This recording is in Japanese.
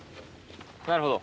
なるほど。